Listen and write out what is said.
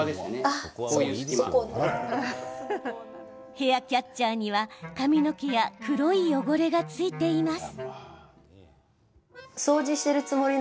ヘアキャッチャーには髪の毛や黒い汚れが付いています。